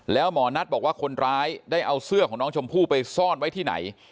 แล้วหมอนัทบอกว่าคนร้ายได้เอาเสื้อของน้องชมพู่ไปซ่อนไว้ที่ไหน